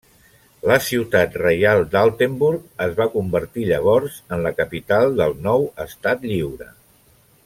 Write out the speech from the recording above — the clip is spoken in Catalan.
La ciutat reial d'Altenburg es va convertir llavors en la capital del nou Estat Lliure.